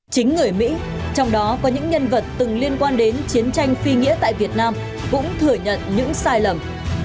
chính người mỹ trong đó có những nhân vật từng liên quan đến chiến tranh phi nghĩa tại việt nam cũng thừa nhận những sai lầm